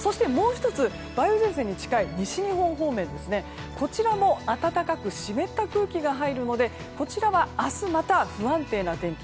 梅雨前線に近い西日本方面は暖かく湿った空気が入るのでこちらは明日また不安定な天気。